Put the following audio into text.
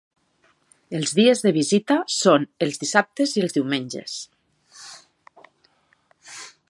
Els dies de visita són els dissabtes i els diumenges.